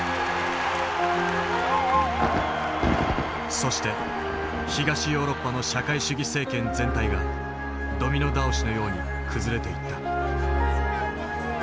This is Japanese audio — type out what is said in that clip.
そして東ヨーロッパの社会主義政権全体がドミノ倒しのように崩れていった。